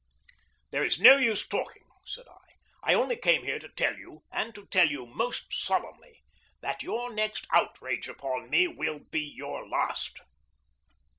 "There is no use talking," said I. "I only came here to tell you, and to tell you most solemnly, that your next outrage upon me will be your last."